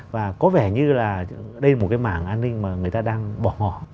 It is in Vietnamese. và có vẻ như là đây là một cái mảng an ninh mà người ta đang bỏ ngỏ